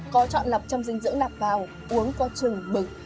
có chọn lọc trong dinh dưỡng đạp vào uống qua chừng bực